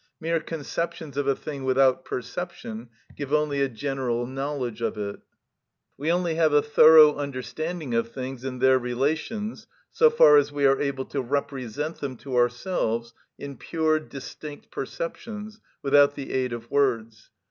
Mere conceptions of a thing without perception give only a general knowledge of it. We only have a thorough understanding of things and their relations so far as we are able to represent them to ourselves in pure, distinct perceptions, without the aid of words.